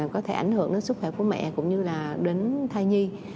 có thể ảnh hưởng đến sức khỏe của mẹ cũng như là đến thai nhi